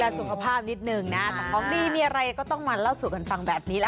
สุขภาพนิดนึงนะแต่ของดีมีอะไรก็ต้องมาเล่าสู่กันฟังแบบนี้ละ